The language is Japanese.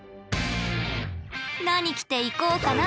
何着ていこうかな。